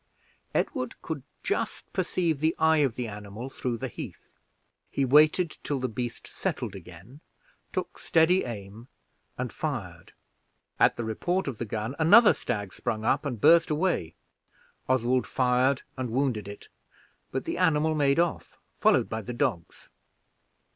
Edward could just perceive the eye of the animal through the heath; he waited till the beast settled again, took steady aim, and fired. At the report of the gun another stag sprung up and burst away. Oswald fired and wounded it, but the animal made off, followed by the dogs.